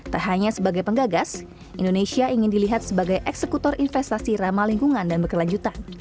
tak hanya sebagai penggagas indonesia ingin dilihat sebagai eksekutor investasi ramah lingkungan dan berkelanjutan